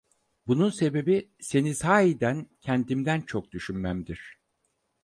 Bunun sebebi, seni sahiden kendimden çok düşünmemdir…